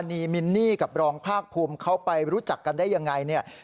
นี่มินนี่กับรองภาคภูมิเขาไปรู้จักกันได้ยังไงเนี่ย